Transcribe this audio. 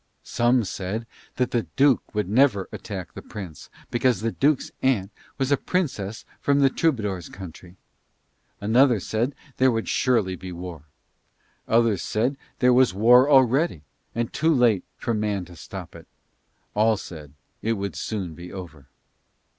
Some said the Duke would never attack the Prince because the Duke's aunt was a princess from the Troubadour's country. Another said that there would surely be war. Others said that there was war already, and too late for man to stop it. All said it would soon be over.